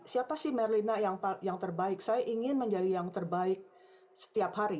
siapa sih merlina yang terbaik saya ingin menjadi yang terbaik setiap hari